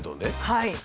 はい。